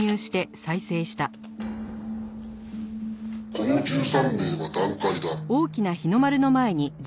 「この１３名は団塊だ」